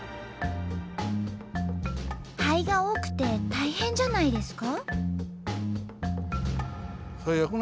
灰が多くて大変じゃないですか？